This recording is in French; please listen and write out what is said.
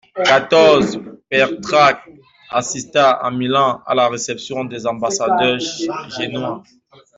quatorze Pétrarque assista à Milan à la réception des ambassadeurs génois.